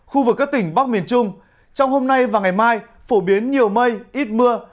khu vực các tỉnh bắc miền trung trong hôm nay và ngày mai phổ biến nhiều mây ít mưa